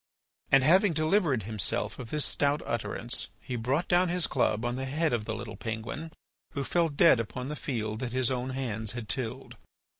And having delivered himself of this stout utterance he brought down his club on the head of the little penguin, who fell dead upon the field that his own hands had tilled.